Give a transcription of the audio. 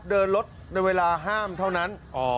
เดินรถในเวลาห้ามเท่านั้น